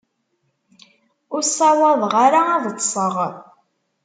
Ur ssawaḍeɣ ara ad ṭṭseɣ.